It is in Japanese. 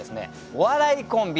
お笑いコンビ